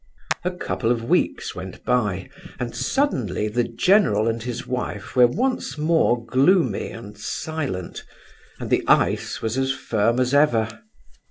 A couple of weeks went by, and suddenly the general and his wife were once more gloomy and silent, and the ice was as firm as ever.